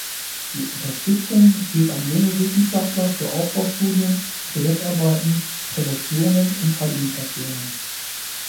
Die Unterstützung geht an junge Wissenschaftler für Aufbaustudien, Projektarbeiten, Promotionen und Habilitationen.